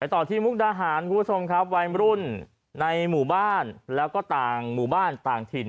ต่อที่มุกดาหารคุณผู้ชมครับวัยรุ่นในหมู่บ้านแล้วก็ต่างหมู่บ้านต่างถิ่น